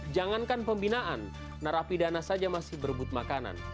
jangankan pembinaan narapidana saja masih berebut makanan